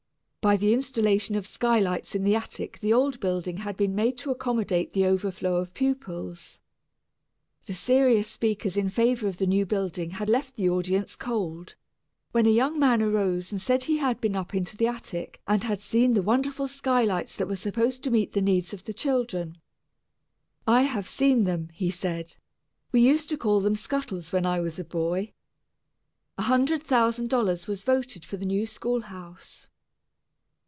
By the installation of skylights in the attic the old building had been made to accommodate the overflow of pupils. The serious speakers in favor of the new building had left the audience cold, when a young man arose and said he had been up into the attic and had seen the wonderful skylights that were supposed to meet the needs of the children. "I have seen them," he said; "we used to call them scuttles when I was a boy." A hundred thousand dollars was voted for the new schoolhouse.